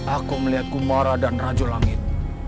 aku melihat gumar dan rajo langit